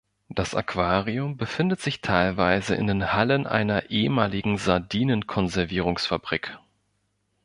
Das Aquarium befindet sich teilweise in den Hallen einer ehemaligen Sardinenkonservierungsfabrik.